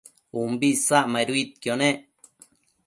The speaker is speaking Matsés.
umbi isacmaiduidquio nec